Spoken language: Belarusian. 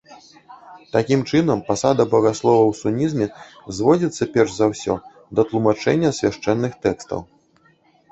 Такім чынам, пасада багаслова ў сунізме зводзіцца перш за ўсё да тлумачэння свяшчэнных тэкстаў.